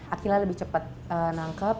akhila lebih cepat nangkep